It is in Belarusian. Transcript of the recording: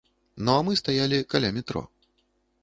Ну а мы стаялі каля метро.